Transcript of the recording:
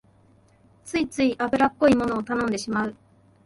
ついつい油っこいものを頼んでしまう